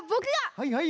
はいはい。